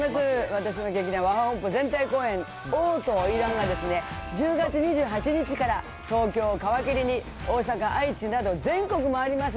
私の劇団、ワハハ本舗全体公演、王と花魁が１０月２８日から東京皮切りに大阪、愛知など、全国回ります。